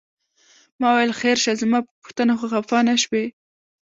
ما وویل خیر شه زما په پوښتنه خو خپه نه شوې؟